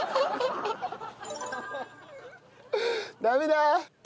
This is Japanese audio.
ダメだ！